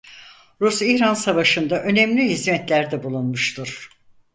Rus-İran Savaşı'nda önemli hizmetlerde bulunmuştur.